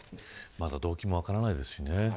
まだ動機も分からないですしね。